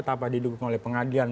tapi didukung oleh pengadilan